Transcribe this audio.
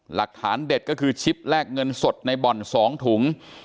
หลักฐานเด็ดก็คือชิปแลกเงินสดในบ่อน๒ถุง